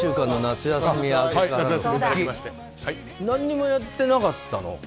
何もやってなかったの？